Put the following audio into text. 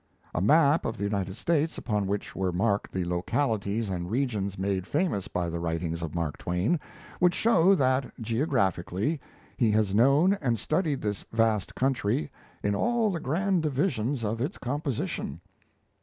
A map of the United States, upon which were marked the localities and regions made famous by the writings of Mark Twain, would show that, geographically, he has known and studied this vast country in all the grand divisions of its composition.